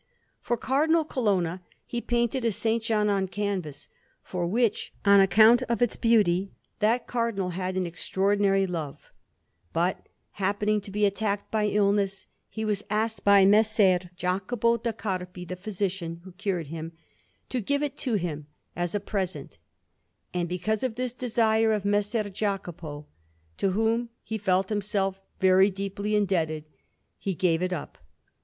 For Cardinal Colonna he painted a S. John on canvas, for which, on account of its beauty, that Cardinal had an extraordinary love; but happening to be attacked by illness, he was asked by Messer Jacopo da Carpi, the physician who cured him, to give it to him as a present; and because of this desire of Messer Jacopo, to whom he felt himself very deeply indebted, he gave it up.